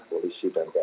garbage dari polisi